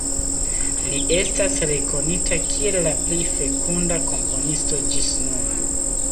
Li estas rekonita kiel la plej fekunda komponisto ĝis nun.